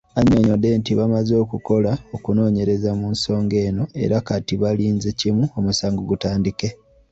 Annyonnyodde nti bamaze okukola okunoonyereza mu nsonga eno era kati balinze kimu omusango gutandike.